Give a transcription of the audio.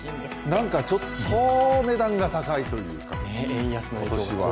なんかちょっと値段が高いというか、今年は。